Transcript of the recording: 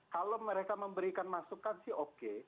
kalau mereka memberikan masukan sih oke